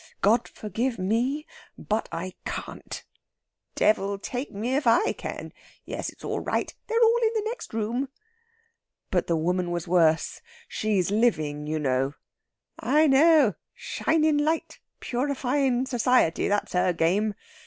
God forgive me, but I can't." "Devil take me if I can!... Yes, it's all right. They're all in the next room...." "But the woman was worse. She's living, you know...." "I know shinin' light purifying society that's her game!